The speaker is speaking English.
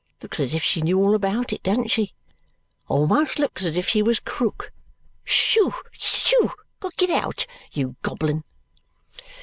Looks as if she knew all about it, don't she? Almost looks as if she was Krook. Shoohoo! Get out, you goblin!"